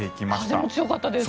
風も強かったです。